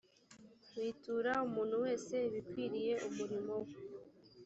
witura umuntu wese ibikwiriye umurimo we